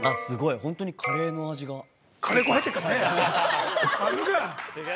すごい、本当にカレーの味が。